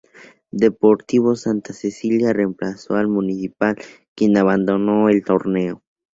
Deportivo Santa Cecilia remplazó al Municipal, quien abandonó el torneo.